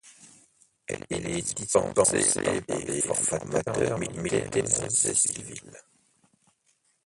Elle est dispensée par des formateurs militaires et civils.